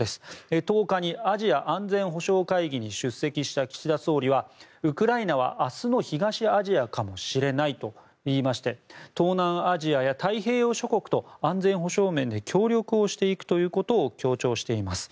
１０日にアジア安全保障会議に出席した岸田総理はウクライナは明日の東アジアかもしれないといいまして東南アジアや太平洋諸国と安全保障面で協力をしていくということを強調しています。